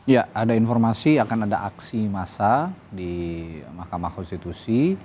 ya ada informasi akan ada aksi massa di mahkamah konstitusi